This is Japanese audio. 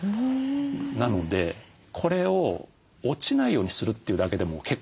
なのでこれを落ちないようにするというだけでも結構大事なんです。